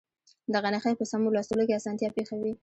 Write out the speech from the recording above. دغه نښې په سمو لوستلو کې اسانتیا پېښوي.